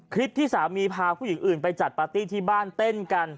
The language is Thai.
คลิปที่สามีพาผู้หญิงอื่นไปจัดปาร์ตี้ที่บ้านเต้นกัน